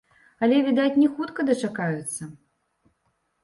Але, відаць, не хутка дачакаюцца?